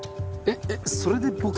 えっそれで僕！？